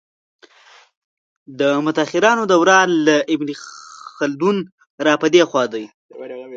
د متاخرانو دوران له ابن خلدون را په دې خوا دی.